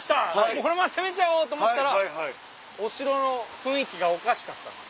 このまま攻めちゃおう！と思ったらお城の雰囲気がおかしかったんです。